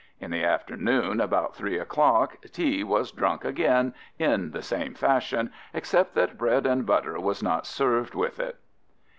In the afternoon about three o'clock tea was drunk again in the same fashion, except that bread and butter was not served with it.